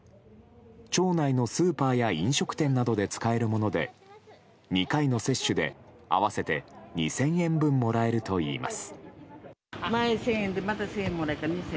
町内のスーパーや飲食店などで使えるもので２回の接種で合わせて２０００円分もらえるといいます。